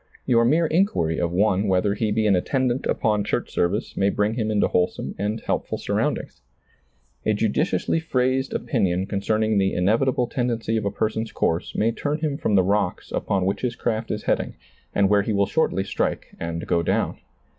Your mere inquiry of one whether he be an attendant upon church service may bring him into wholesome and helpful surroundings. A judiciously phrased opinion concerning the inevi table tendency of a per.son's course may turn him ^lailizccbvGoOgle THE VALUE OF THE SOUL 131 from the rocks upon which his craft is heading and where he will shortly strike and go down.